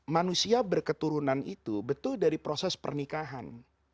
manusia berketurunan itu betul dari proses pernikahan